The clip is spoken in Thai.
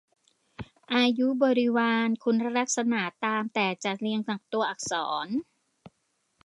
อายุ บริวาร คุณลักษณะตามแต่จะเรียงตัวอักษร